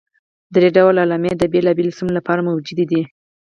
درې ډوله علامې د بېلابېلو سیمو لپاره موجودې دي.